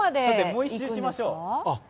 もう一周しましょう。